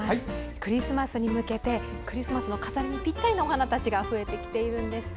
クリスマスに向けてクリスマスの飾りにぴったりなお花が増えてきているんです。